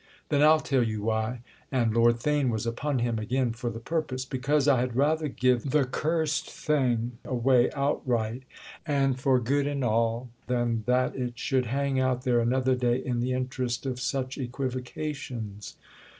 "Then I'll tell you why!"—and Lord Theign was upon him again for the purpose. "Because I had rather give the cursed thing away outright and for good and all than that it should hang out there another day in the interest of such equivocations!"